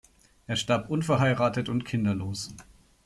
Er starb unverheiratet und kinderlos.